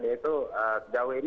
yaitu sejauh ini